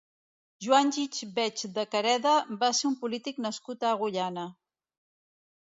Joan Gich Bech de Careda va ser un polític nascut a Agullana.